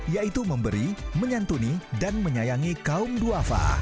yaitu memberi menyantuni dan menyayangi kaum duafa